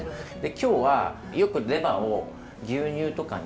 今日はよくレバーを牛乳とかに。